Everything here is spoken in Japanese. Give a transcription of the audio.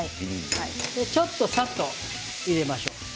ちょっと砂糖を入れましょう。